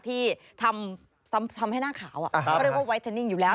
ที่ทำให้หน้าขาวเขาเรียกว่าไวเทนนิ่งอยู่แล้ว